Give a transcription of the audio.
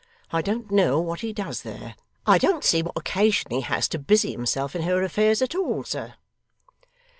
I don't know what he does there. I don't see what occasion he has to busy himself in her affairs at all, sir.